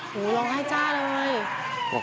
โหลงให้จ้าเลย